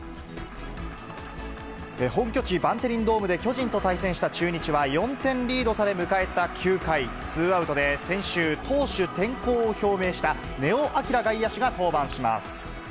本拠地、バンテリンドームで巨人と対戦した中日は４点リードされ、迎えた９回、ツーアウトで先週、投手転向を表明した、根尾昂外野手が登板します。